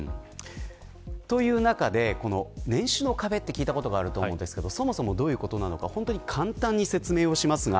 という中で、年収の壁って聞いたことがあると思うんですがそもそも、どういうことなのか簡単に説明をします。